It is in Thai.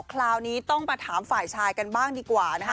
คราวนี้ต้องมาถามฝ่ายชายกันบ้างดีกว่านะคะ